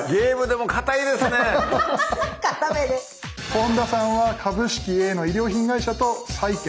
本田さんは株式Ａの衣料品会社と債券。